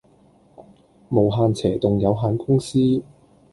無限斜棟有限公司